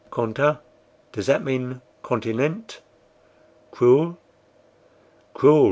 CONTIN does that mean continent? CRUEL!" "CRUEL!"